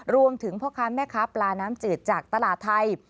พ่อค้าแม่ค้าปลาน้ำจืดจากตลาดไทย